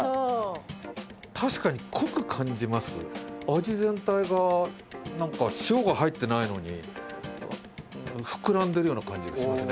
味全体が何か塩が入ってないのに膨らんでるような感じがしますね